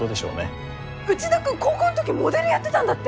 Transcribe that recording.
内田君高校ん時モデルやってたんだって！